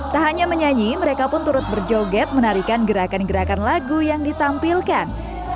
tak hanya menyanyi mereka pun turut berjoget menarikan gerakan gerakan lagu yang ditampilkan